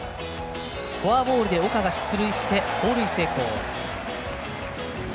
フォアボールで岡が出塁して盗塁成功。